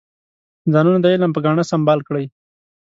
ځانونه د علم په ګاڼه سنبال کړئ.